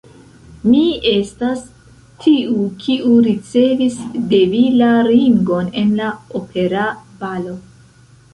Mi estas tiu, kiu ricevis de vi la ringon en la opera balo.